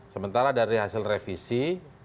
sementara dari hasil revisi